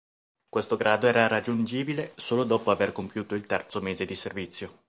Questo grado era raggiungibile solo dopo aver compiuto il terzo mese di servizio.